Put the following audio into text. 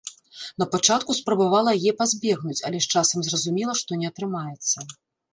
На пачатку спрабавала яе пазбегнуць, але з часам зразумела, што не атрымаецца.